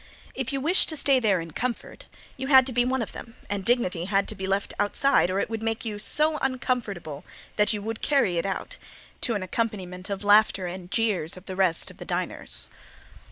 If you wished to stay there in comfort you had to be one of them, and dignity had to be left outside or it would make you so uncomfortable that you would carry it out, to an accompaniment of laughter and jeers of the rest of the diners.